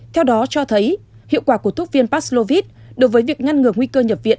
theo đó cho thấy hiệu quả của thuốc viêm paslovit đối với việc ngăn ngừa nguy cơ nhập viện